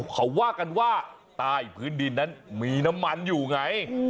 เขาว่ากันว่าใต้พื้นดินนั้นมีน้ำมันอยู่ไง